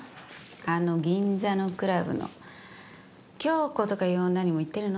あの銀座のクラブの京子とかいう女にも行ってるの？